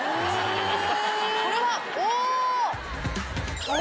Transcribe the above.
これはおお！